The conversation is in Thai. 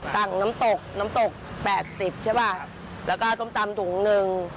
น้ำตกน้ำตกแปดสิบใช่ป่ะแล้วก็ส้มตำถุงหนึ่ง